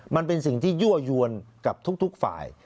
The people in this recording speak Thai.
มันเป็นสิ่งที่ยั่วยวนกับทุกฝ่าย